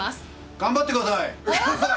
頑張ってください。